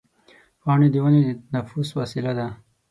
پاڼې د ونې د تنفس وسیله ده.